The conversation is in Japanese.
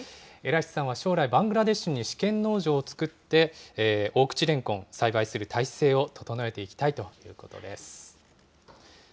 エラヒさんは将来、バングラデシュに試験農場を作って、大口れんこん、栽培する体制を整えていきたいということです。